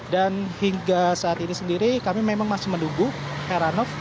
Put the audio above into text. dan hingga saat ini sendiri kami memang masih menunggu heranov